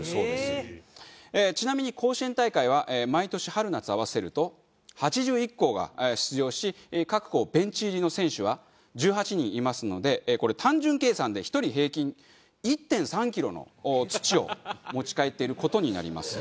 ちなみに甲子園大会は毎年春夏合わせると８１校が出場し各校ベンチ入りの選手は１８人いますのでこれ単純計算で１人平均１．３キロの土を持ち帰っている事になります。